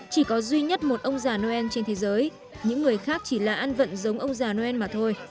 chỉ có duy nhất một ông già noel trên thế giới những người khác chỉ là ăn vận giống ông già noel mà thôi